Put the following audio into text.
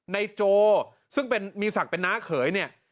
ในโจซึ่งเป็นมีศักดิ์เป็นน้าเขยเนี่ย